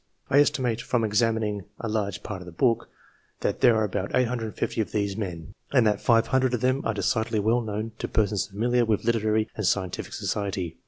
I estimate, from examining a large part of the book, that there are about 850 of these men, and that 500 of them are decidedly well known to persons familiar with literary and scientific society.